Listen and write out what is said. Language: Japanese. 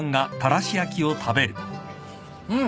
うん。